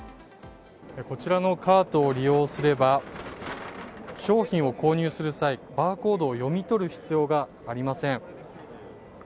こちらのカートを利用すれば商品を購入する際バーコードを読み取る必要がありません。